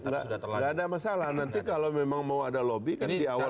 nggak ada masalah nanti kalau memang mau ada lobby kan di awal